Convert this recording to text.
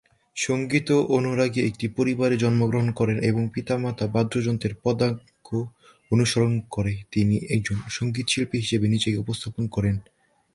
সঙ্গীত অনুরাগী একটি পরিবারে জন্মগ্রহণ করেন এবং পিতা মাতার বাদ্যযন্ত্রের পদাঙ্ক অনুসরণ করে তিনি একজন সঙ্গীতশিল্পী হিসেবে নিজেকে উপস্থাপন করেন।